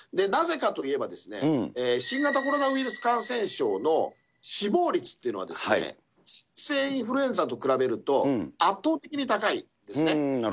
なぜかといえば、新型コロナウイルス感染症の死亡率っていうのは、季節性インフルエンザと比べると圧倒的に高いんですね。